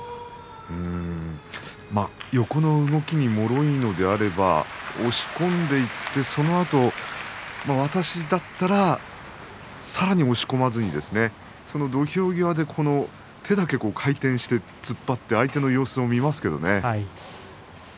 横の動きに戻って間合いを取れば押し込んでいってそのあと私だったらさらに押し込まずに土俵際で手だけ回転させて突っ張って相手の様子を見ますけどね。